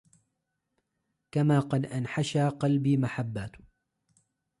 كما أن قد حشى قلبي محبات